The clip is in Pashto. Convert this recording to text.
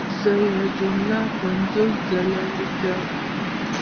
زه یوه جمله پنځه ځله لیکم.